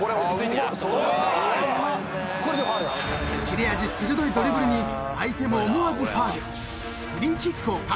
［切れ味鋭いドリブルに相手も思わずファウル］